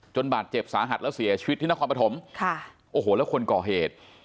บาดเจ็บสาหัสแล้วเสียชีวิตที่นครปฐมค่ะโอ้โหแล้วคนก่อเหตุ